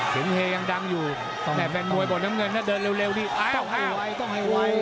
เสียงเฮยังดังอยู่แต่แฟนมวยบอกน้ำเงินถ้าเดินเร็วนี่อ้าวให้ไวต้องให้ไว